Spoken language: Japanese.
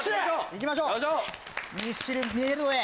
いきましょう！